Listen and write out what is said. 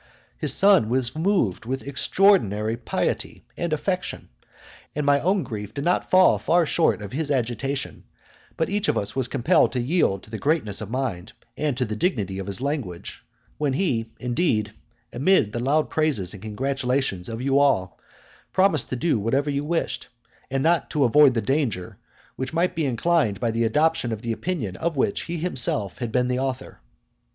His son was moved with extraordinary piety and affection, and my own grief did not fall far short of his agitation, but each of us was compelled to yield to his greatness of mind, and to the dignity of his language, when he, indeed, amid the loud praises and congratulations of you all, promised to do whatever you wished, and not to avoid the danger which might be inclined by the adoption of the opinion of which he himself had been the author.